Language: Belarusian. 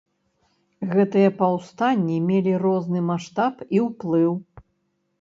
Гэтыя паўстанні мелі розны маштаб і ўплыў.